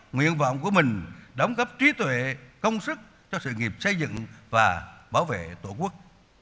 nguyện vọng của mình đóng góp trí tuệ công sức cho sự nghiệp xây dựng và bảo vệ tổ quốc